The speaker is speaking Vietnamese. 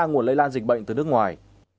nguồn lây lan dịch bệnh từ nước ngoài